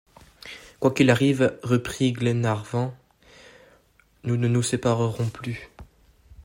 Quoi qu’il arrive, reprit Glenarvan, nous ne nous séparerons plus.